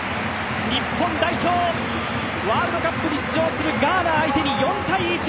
日本代表、ワールドカップに出場するガーナ相手に４−１！